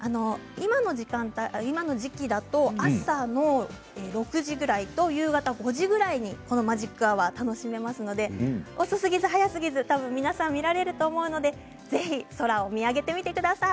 今の時期だと朝の６時くらいと夕方の５時ぐらいにこのマジックアワーが楽しめますので早すぎず遅すぎず皆さん、見られると思いますのでぜひ空を見上げてみてください。